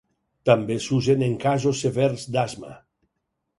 També s'usen en casos severs d'asma.